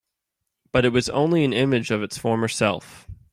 But it was only an image of its former self.